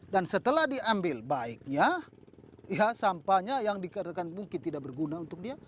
dan setelah diambil baiknya sampahnya yang dikatakan mungkin tidak berguna untuk dia